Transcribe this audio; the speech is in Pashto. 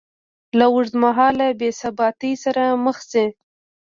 له اوږدمهاله بېثباتۍ سره مخ شي